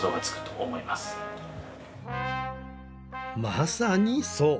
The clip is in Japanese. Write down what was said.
まさにそう。